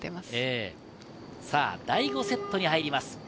第５セットに入ります。